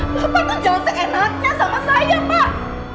bapak tuh jalan seenaknya sama saya pak